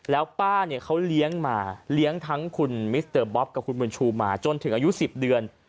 แล้วป้าเนี่ยเขาเลี้ยงมาเลี้ยงทั้งคุณมิสเตอร์บ๊อบกับคุณบุญชูมาจนถึงอายุ๑๐เดือน